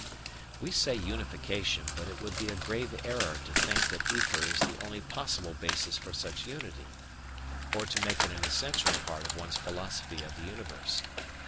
We say "unification," but it would be a grave error to think that ether is the only possible basis for such unity, or to make it an essential part of one's philosophy of the universe.